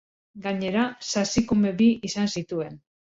Gainera sasikume bi izan zituen.